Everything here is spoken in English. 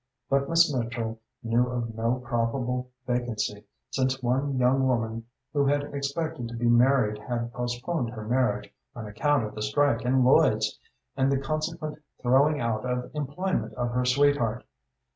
But Miss Mitchell knew of no probable vacancy, since one young woman who had expected to be married had postponed her marriage on account of the strike in Lloyd's, and the consequent throwing out of employment of her sweetheart.